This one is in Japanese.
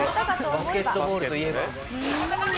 バスケットボールといえば。